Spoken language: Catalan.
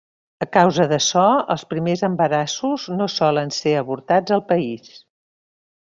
A causa d'açò, els primers embarassos no solen ser avortats al país.